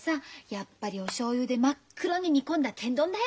やっぱりおしょうゆで真っ黒に煮込んだ天丼だよ。